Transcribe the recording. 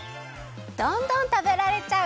どんどんたべられちゃう！